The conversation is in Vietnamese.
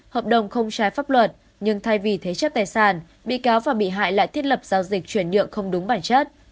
hợp đồng không trái pháp luật nhưng thay vì thế chấp tài sản bị cáo và bị hại lại thiết lập giao dịch chuyển nhượng không đúng bản chất